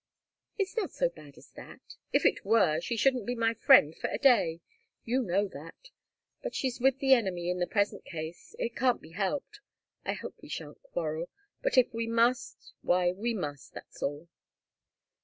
"It's not so bad as that. If it were, she shouldn't be my friend for a day. You know that. But she's with the enemy in the present case. It can't be helped. I hope we shan't quarrel. But if we must why, we must, that's all."